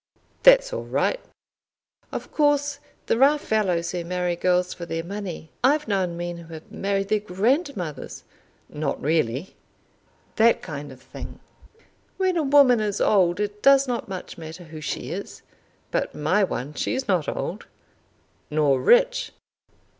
"That's all right." "Of course there are fellows who marry girls for their money. I've known men who have married their grandmothers." "Not really!" "That kind of thing. When a woman is old it does not much matter who she is. But my one! She's not old!" "Nor rich?"